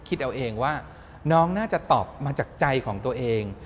คิดเอาเองว่าน้องน่าจะตอบมาจากใจของตัวเอง